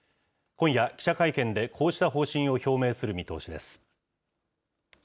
今夜、記者会見でこうした方針を表明する見通しです。